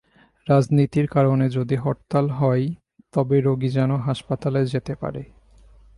রাজনীতির কারণে যদি হরতাল হয়ও তবে রোগী যেন হাসপাতালে যেতে পারে।